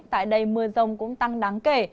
tại đây mưa rông cũng tăng đáng kể